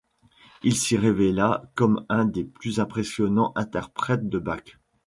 Il s'y révéla comme un des plus impressionnants interprètes de Bach.